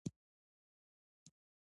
د افغان موسیقي وسایل تاریخي دي.